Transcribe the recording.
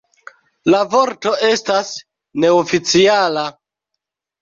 La vorto estas neoficiala.